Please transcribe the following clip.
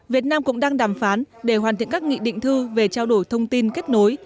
việt nam cũng đang đàm phán để hoàn thiện các nghị định thư về trao đổi thông tin kết nối